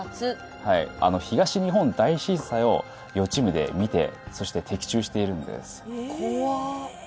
はいあの東日本大震災を予知夢で見てそして的中しているんです怖っ